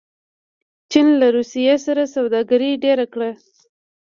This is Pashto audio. چین له روسیې سره سوداګري ډېره کړې.